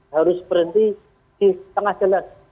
harus berhenti di tengah jalan